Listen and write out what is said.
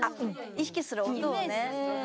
意識する音をね。